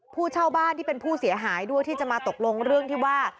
ผู้เช่าบ้านที่เป็นผู้เสียหายด้วยที่จะมาตกลงเรื่องที่ว่า